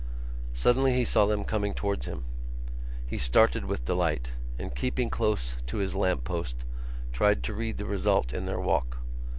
Suddenly he saw them coming towards him. He started with delight and, keeping close to his lamp post, tried to read the result in their walk.